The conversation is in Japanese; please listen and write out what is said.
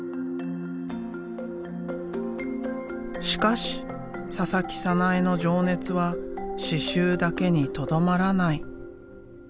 しかし佐々木早苗の情熱は刺繍だけにとどまらない。